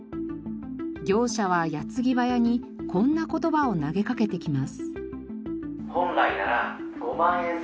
業者は矢継ぎ早にこんな言葉を投げかけてきます。